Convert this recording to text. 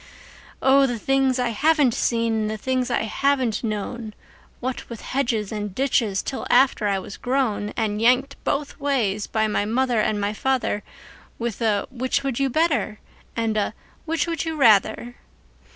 Oh, the things I haven't seen and the things I haven't known, What with hedges and ditches till after I was grown, And yanked both ways by my mother and my father, With a 'Which would you better?" and a "Which would you rather?"